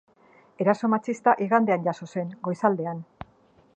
Eraso matxista igandean jazo zen, goizaldean.